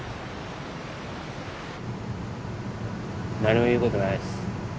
何も言うことないです。